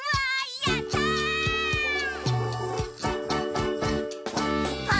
やったー！」